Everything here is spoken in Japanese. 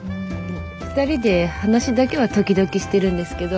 ２人で話だけは時々してるんですけど。